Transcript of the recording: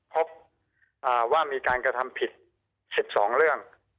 พบว่ามีการกระทำผิด๑๒เรื่อง